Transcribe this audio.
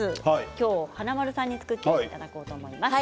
今日、華丸さんに作っていただこうと思います。